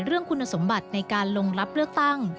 เรื่องคุณสมบัติในการลงรับเลือกตั้ง